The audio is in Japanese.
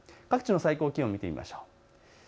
各地の最高気温を見てみましょう。